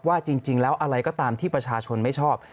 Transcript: ว่าจริงแล้วอะไรก็ตามที่ประชาชนไม่ชอบ